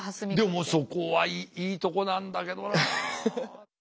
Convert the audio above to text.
でもそこはいいとこなんだけどな。